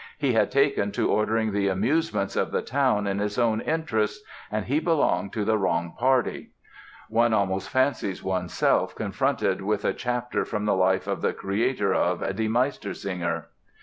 He had taken to ordering the amusements of the town in his own interests; and he belonged to the wrong party." One almost fancies oneself confronted with a chapter from the life of the creator of "Die Meistersinger!"